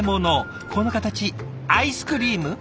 この形アイスクリーム？